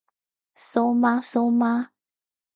蘇媽蘇媽？